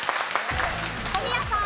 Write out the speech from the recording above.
小宮さん。